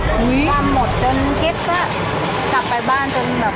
คว่ำหมดจนกิ๊บก็กลับไปบ้านจนแบบ